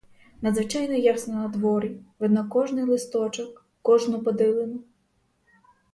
Надзвичайно ясно надворі, видно кожний листочок, кожну бадилину!